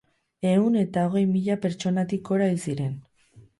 Ehun eta hogei mila pertsonatik gora hil ziren.